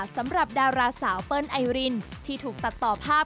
สำหรับดาราสาวเปิ้ลไอรินที่ถูกตัดต่อภาพ